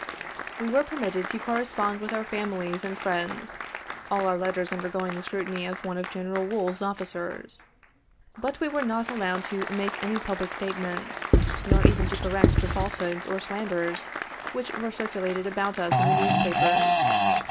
We were permitted to correspond with our families and friends, all our letters undergoing the scrutiny of one of General Wool's officers. But we were not allowed to make any public statements, nor even to correct the false hoods or slanders which were circulated about us in the newspapers.